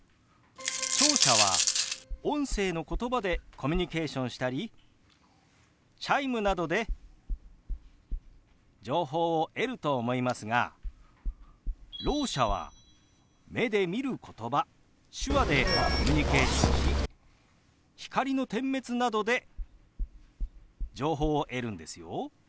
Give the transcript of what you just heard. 聴者は音声のことばでコミュニケーションしたりチャイムなどで情報を得ると思いますがろう者は目で見ることば手話でコミュニケーションし光の点滅などで情報を得るんですよ。